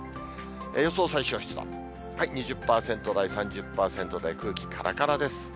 予想最小湿度、２０％台、３０％台、空気からからです。